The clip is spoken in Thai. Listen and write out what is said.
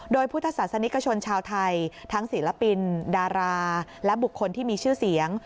โดยพุทธศาสนิกชนชาวไทยทั้งศิลปินดาราและบุคคลที่มีชื่อเสียง